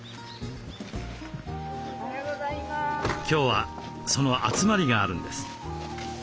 今日はその集まりがあるんです。